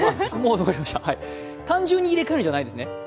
単純に入れ替えるんじゃないんですね。